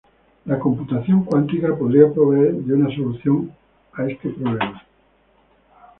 La computación cuántica podría proveer de una solución a este problema.